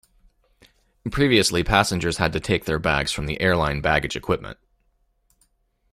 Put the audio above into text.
Previously passengers had to take their bags from the airline baggage equipment.